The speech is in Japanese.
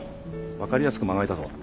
分かりやすく間が空いたぞ。